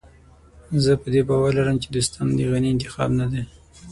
زه په دې باور لرم چې دوستم د غني انتخاب نه دی.